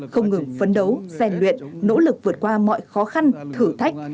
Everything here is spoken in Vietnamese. không ngừng phấn đấu rèn luyện nỗ lực vượt qua mọi khó khăn thử thách